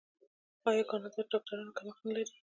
آیا کاناډا د ډاکټرانو کمښت نلري؟